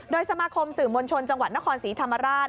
สมาคมสื่อมวลชนจังหวัดนครศรีธรรมราช